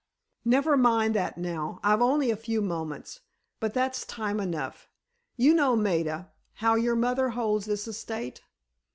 "Never mind that now; I've only a few moments, but that's time enough. You know, Maida, how your mother holds this estate?"